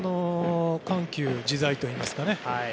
緩急自在といいますか。